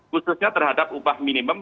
khususnya terhadap upah minimal